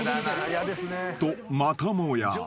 ［とまたもや